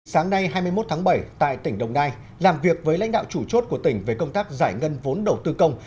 sáng nay hai mươi một tháng bảy tại tỉnh đồng nai làm việc với lãnh đạo chủ chốt của tỉnh về công tác giải ngân vốn đầu tư công